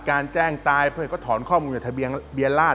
แจ้งตายเพื่อให้เขาถอนข้อมูลจากทะเบียนราช